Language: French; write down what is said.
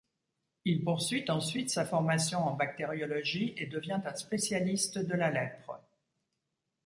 Il poursuit ensuite sa formation en bactériologie et devient un spécialiste de la lèpre.